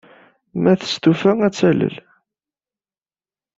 Ma testufa, ad tt-talel.